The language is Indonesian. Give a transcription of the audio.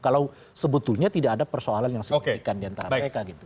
kalau sebetulnya tidak ada persoalan yang signifikan diantara mereka gitu